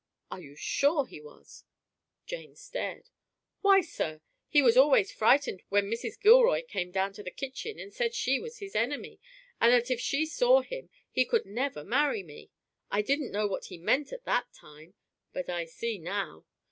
"Are you sure he was?" Jane stared. "Why, sir, he was always frightened when Mrs. Gilroy came down to the kitchen and said she was his enemy, and that if she saw him he could never marry me. I didn't know what he meant at that time, but I see now.